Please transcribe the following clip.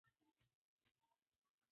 کومه سیاره لمر ته تر ټولو نږدې ده؟